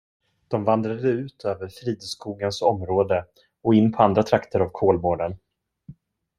De vandrade ut över Fridskogens område och in på andra trakter av Kolmården.